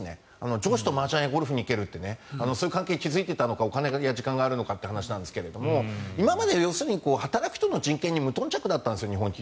上司とマージャンやゴルフに行けるってそういう関係を築いてたのかお金や時間があるのかって話ですが今まで働く人の人権に日本企業は無頓着だったんです。